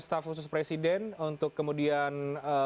staf khusus presiden untuk kemudian